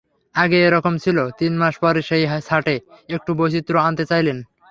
আগে একরকম ছিল, তিন মাস পরে সেই ছাঁটে একটু বৈচিত্র্য আনতে চাইলেন।